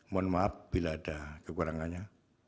mohon maaf bila ada kekurangannya